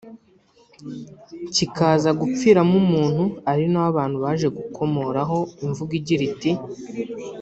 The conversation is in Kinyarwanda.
kikaza gupfiramo umuntu ari nawe abantu baje gukomoraho imvugo igira iti